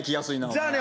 じゃあね